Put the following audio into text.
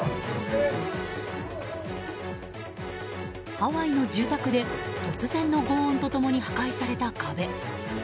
ハワイの住宅で突然の轟音と共に破壊された壁。